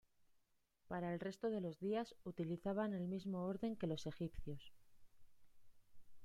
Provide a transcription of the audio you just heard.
Para el resto de los días utilizaban el mismo orden que los egipcios.